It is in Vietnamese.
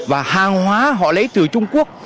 và hàng hóa họ lấy từ trung quốc